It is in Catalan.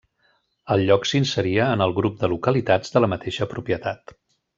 El lloc s'inseria en el grup de localitats de la mateixa propietat.